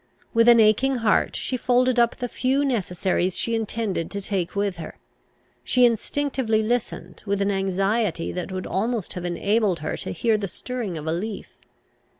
With an aching heart she folded up the few necessaries she intended to take with her. She instinctively listened, with an anxiety that would almost have enabled her to hear the stirring of a leaf.